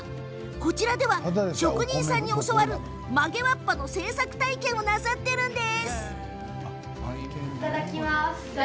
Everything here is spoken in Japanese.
こちらでは職人さんに教わる曲げわっぱの製作体験をなさっているんです。